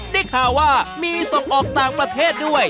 ได้ข่าวว่ามีส่งออกต่างประเทศด้วย